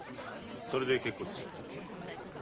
それで結構です。